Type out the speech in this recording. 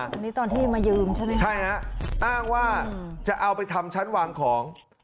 อันนี้ตอนที่มายืมใช่มั้ยครับเออเอางว่าจะเอาไปทำฉันหวังของ